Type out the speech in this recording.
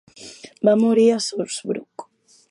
Va morir a Shottesbrooke.